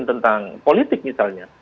tentang politik misalnya